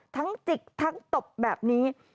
ทั้งจิกทั้งตบแบบนี้